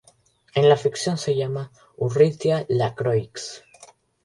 En la ficción se llama Urrutia Lacroix.